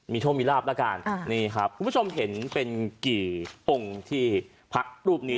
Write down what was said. มีโชคมีลาบแล้วกันนี่ครับคุณผู้ชมเห็นเป็นกี่องค์ที่พระรูปนี้